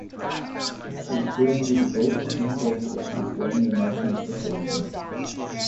He is currently the goalkeeping coach of the Estonia national football team.